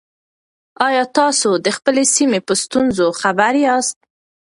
آیا تاسو د خپلې سیمې په ستونزو خبر یاست؟